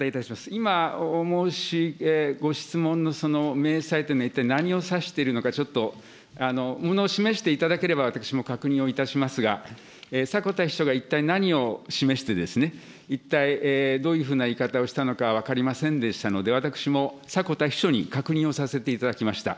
今、ご質問の明細というのは、一体何を指しているのか、ちょっと、ものを示していただければ、私も確認をいたしますが、迫田秘書が一体何を示して、一体どういうふうな言い方をしたのか分かりませんでしたので、私も迫田秘書に確認をさせていただきました。